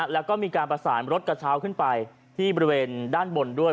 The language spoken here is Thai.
แล้วก็มีการประสานรถกระเช้าขึ้นไปที่บริเวณด้านบนด้วย